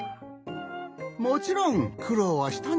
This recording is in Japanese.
もちろんくろうはしたん